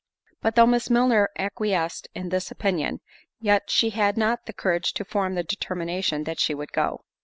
But though Miss Milner acquiesced in this opinion, yet she had not the courage to form the determination that she would go.